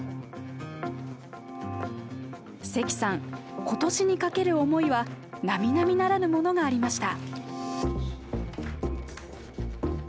關さん今年にかける思いはなみなみならぬものがありました。